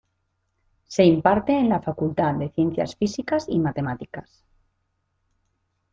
Se imparte en la Facultad de Ciencias Físicas y Matemáticas.